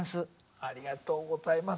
ありがとうございます。